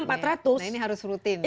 ini harus rutin ya